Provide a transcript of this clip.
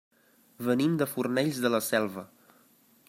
Venim de Fornells de la Selva.